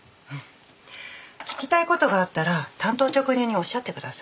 聞きたい事があったら単刀直入におっしゃってください。